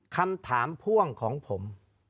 คำถามพ่วงของผม